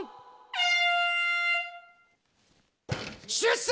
出世！